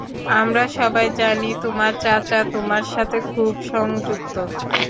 আমরা সবাই জানি, তোমার চাচা তোমার সাথে খুব সংযুক্ত।